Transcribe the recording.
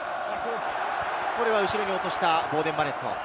これは後ろに落としたボーデン・バレット。